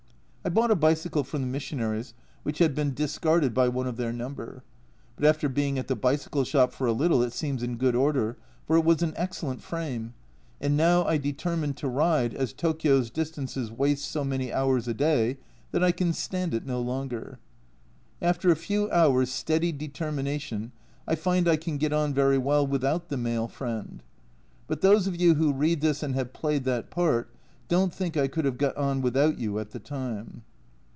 I bought a bicycle from the missionaries, which had been discarded by one of their number. But after being at the bicycle shop for a little it seems in good order, for it was an excellent frame, and now I deter mined to ride, as Tokio's distances waste so many hours a day that I can stand it no longer. After a few hours' steady determination, I find I can get on very well without the male friend. But those of you who read this and have played that part, don't think I could have got on without you at the time.